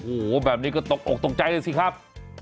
โอ้โหแบบนี้ก็ตกอกตกใจเลยสิครับ